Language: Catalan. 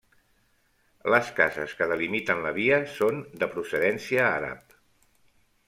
Les cases que delimiten la via són de procedència àrab.